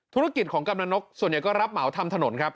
ธุรกิจของกำลังนกส่วนใหญ่ก็รับเหมาทำถนนครับ